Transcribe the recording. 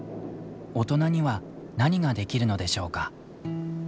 大人には何ができるのでしょうか。